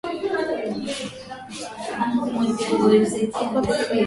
Labda tunamkumbuka Askofu Ambrosi wa Milano aliyemvuta